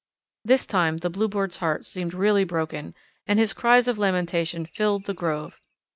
This time the Bluebird's heart seemed really broken and his cries of lamentation filled the grove.